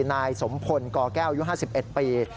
นายสมพลกแก้วอายุ๕๑ปี